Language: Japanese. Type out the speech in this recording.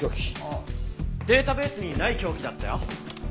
ああデータベースにない凶器だったよ。